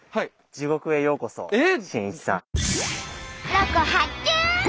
ロコ発見！